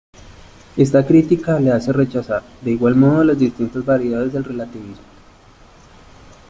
Esta crítica le hace rechazar, de igual modo las distintas variedades del relativismo.